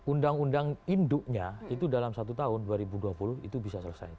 undang undang induknya itu dalam satu tahun dua ribu dua puluh itu bisa selesai